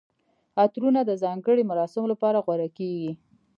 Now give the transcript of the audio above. عطرونه د ځانګړي مراسمو لپاره غوره کیږي.